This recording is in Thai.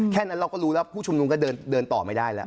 แค่นั้นเราก็รู้แล้วผู้ชุมนุมก็เดินต่อไม่ได้แล้ว